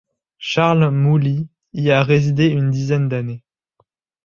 Charles Mouly y a résidé une dizaine d'années.